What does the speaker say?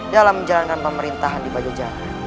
dalam menjalankan pemerintahan di bajaj